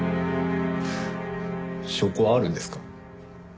証拠はあるんですか？